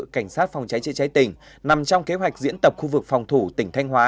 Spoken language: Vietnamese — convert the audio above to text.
cảnh sát phòng chế chế trái tỉnh nằm trong kế hoạch diễn tập khu vực phòng thủ tỉnh thanh hóa